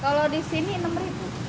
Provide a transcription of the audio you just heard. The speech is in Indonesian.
kalau di sini enam ribu